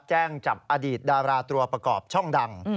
แจ้งจับอดีตดาราตัวประกอบช่องดัง